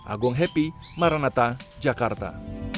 agung happy maranata jakarta